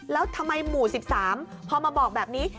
แล้วทำไมหมู่๑๓พอมาบอกแบบนี้